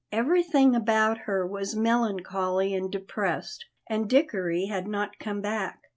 Everything about her was melancholy and depressed, and Dickory had not come back.